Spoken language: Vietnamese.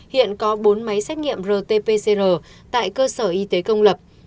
hiện có bốn máy xét nghiệm rt pcr tại cơ sở y tế công lập